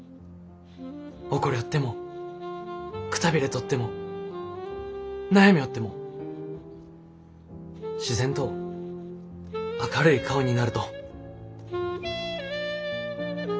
怒りょってもくたびれとっても悩みょうっても自然と明るい顔になると。